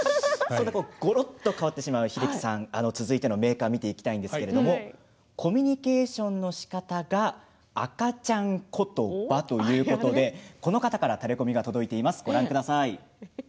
ごろっと変わってしまう英樹さん、続いての名鑑コミュニケーションのしかたが「赤ちゃん言葉」ということでこの方からタレコミが届いています。